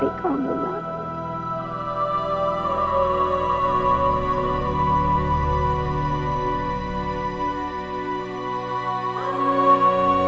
bapak pernah lihat anak ini pak